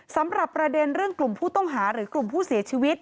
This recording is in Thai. สำหรับประเด็นเรื่องกลุ่มผู้ต้องหาหรือกลุ่มผู้เสียชีวิต